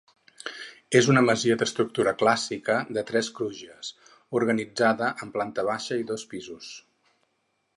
És una masia d'estructura clàssica de tres crugies, organitzada en planta baixa i dos pisos.